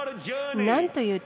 なんという旅。